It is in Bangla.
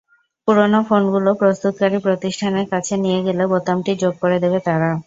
পুরোনো ফোনগুলো প্রস্তুতকারী প্রতিষ্ঠানের কাছে নিয়ে গেলে বোতামটি যোগ করে দেবে তারা।